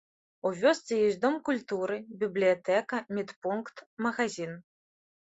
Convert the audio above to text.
У вёсцы ёсць дом культуры, бібліятэка, медпункт, магазін.